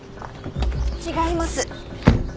違います。